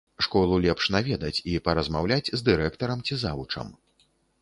Школу лепш наведаць і паразмаўляць з дырэктарам ці завучам.